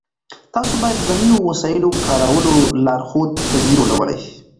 تاسو باید د نويو وسایلو د کارولو لارښود په ځیر ولولئ.